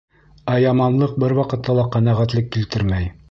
Ә яманлыҡ бер ваҡытта ла ҡәнәғәтлек килтермәй.